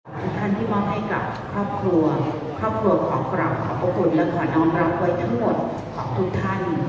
ทุกท่านที่มอบให้กับครอบครัวครอบครัวขอกราบขอบพระคุณและขอน้องรับไว้ทั้งหมดขอบคุณท่าน